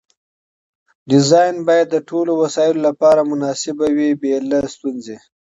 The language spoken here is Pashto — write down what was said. ډیزاین باید د ټولو وسایلو لپاره مناسب وي بې له ستونزې.